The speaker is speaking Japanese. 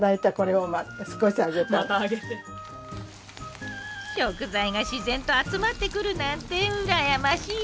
食材が自然と集まってくるなんて羨ましいわあ。